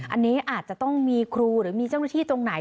อันนี้อาจจะต้องมีครูหรือมีเจ้าหน้าที่ตรงไหน